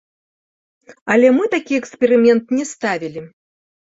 Але мы такі эксперымент не ставілі.